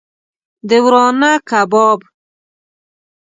د ورانه کباب